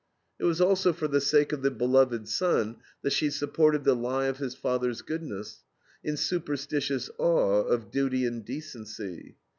It was also for the sake of the beloved son that she supported the lie of his father's goodness, in superstitious awe of "duty and decency."